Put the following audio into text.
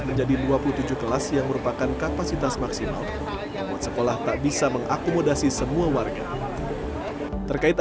menjadi dua puluh tujuh kelas yang merupakan kapasitas maksimal buat sekolah tak bisa mengakomodasi semua warga terkait